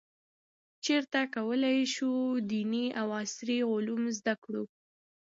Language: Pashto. چیرته کولای شو دیني او عصري علوم زده کړو؟